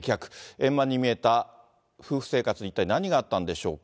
円満に見えた夫婦生活に一体何があったのでしょうか。